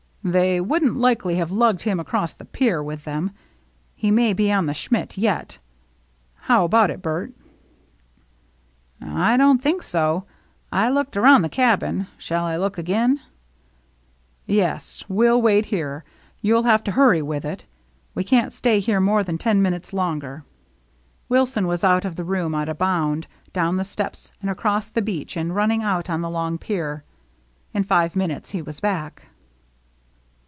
"They wouldn't likely have lugged him across the pier with them. He may be on the Schmidt yet. How about it, Bert ?"" I don't think so. I looked around the cabin. Shall I look again ?" "Yes. We'll wait here. You'll have to hurry with it. We can't stay here more than ten minutes longer." Wilson was out of the room at a bound, down the steps and across the beach and run ning out on the long pier. In five minutes he was back.